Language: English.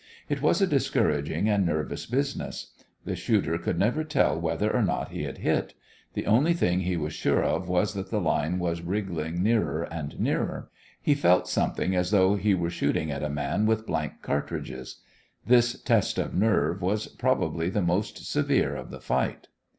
It was a discouraging and nervous business. The shooter could never tell whether or not he had hit. The only thing he was sure of was that the line was wriggling nearer and nearer. He felt something as though he were shooting at a man with blank cartridges. This test of nerve was probably the most severe of the fight.